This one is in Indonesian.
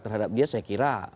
terhadap dia saya kira